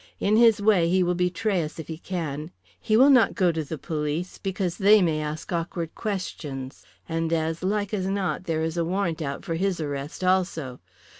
In his way he will betray us if he can. He will not go to the police, because they may ask awkward questions, and as like as not there is a warrant out for his arrest also.